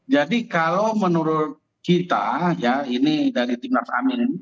jadi kalau menurut kita ya ini dari tim nas amin